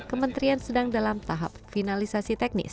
kementerian sedang dalam tahap finalisasi teknis